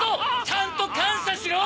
ちゃんと感謝しろ！